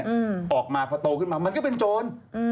อืมออกมาพอโตขึ้นมามันก็เป็นโจรอืม